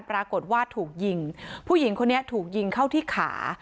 ปรากฏว่าถูกยิงผู้หญิงคนนี้ถูกยิงเข้าที่ขา